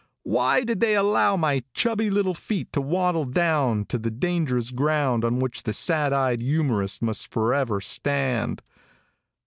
Why did they allow my chubby little feet to waddle down to the dangerous ground on which the sad eyed youmorist must forever stand?